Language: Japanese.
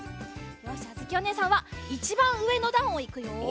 よしあづきおねえさんはいちばんうえのだんをいくよ。